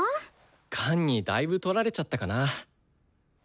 管にだいぶ取られちゃったかな？